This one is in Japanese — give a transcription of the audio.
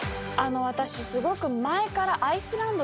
私すごく。